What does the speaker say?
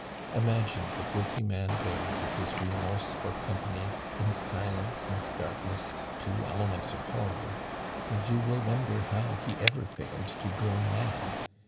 Imagine the guilty man there with his remorse for company, in silence and darkness, two elements of horror, and you will wonder how he ever failed to go mad.